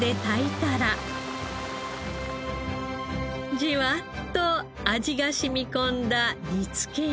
じわっと味が染み込んだ煮付けに。